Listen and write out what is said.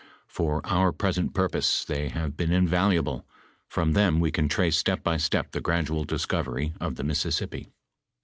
For our pres ent purpose, they have been inviiluable; from them we can trace step by step, the gradual discovery of the Mississippi.